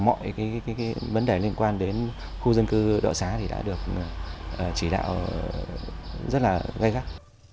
mọi cái vấn đề liên quan đến khu dân cư độ xá thì đã được chỉ đạo rất là gây gắt